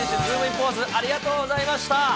ポーズ、ありがとうございました。